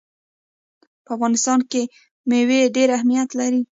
په افغانستان کې مېوې ډېر اهمیت لري.